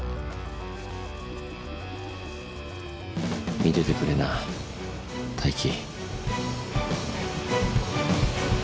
見ててくれな泰生。